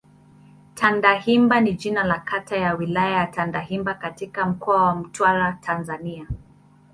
Tandahimba ni jina la kata ya Wilaya ya Tandahimba katika Mkoa wa Mtwara, Tanzania.